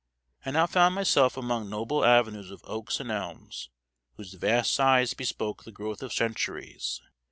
I now found myself among noble avenues of oaks and elms, whose vast size bespoke the growth of centuries.